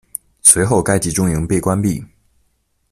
随后该集中营被关闭。